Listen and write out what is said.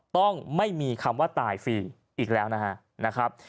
ต้องไม่มีคำว่าตายฟรีอีกแล้วนะครับ